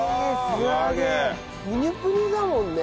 プニプニだもんね